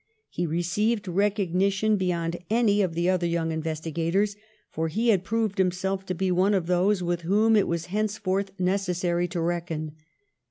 He received recognition beyond any of the other young investigators, for he had proved himself to be one of those with whom it was henceforth necessary to reckon.